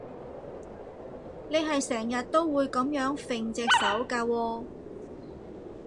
你係成日都會噉樣揈隻手㗎喎